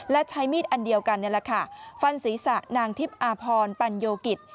และใช้มีดอันเดียวกันฟันศีรษะนางทิพย์อาพรปัญโยกิต